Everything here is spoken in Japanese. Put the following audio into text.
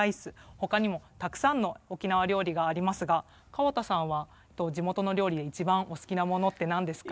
ほかにもたくさんの沖縄料理がありますが川田さんは、地元の料理で一番お好きなものってなんですか？